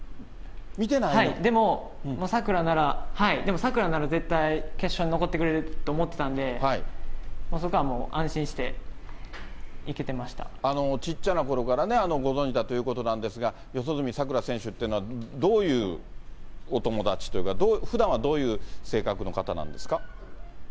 でも、さくらなら、でも、さくらなら絶対、決勝に残ってくれると思ってたんで、そこはもう安心して、小っちゃなころからご存じだということなんですが、四十住さくら選手っていうのは、どういうお友達というか、ふだんはどういう性格の方なんですか？